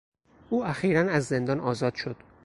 او اخیرا از زندان آزاد شد.